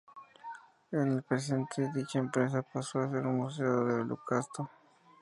En el presente, dicha empresa pasó a ser un museo del holocausto.